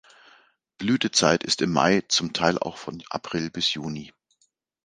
Blütezeit ist im Mai, zum Teil auch von April bis Juni.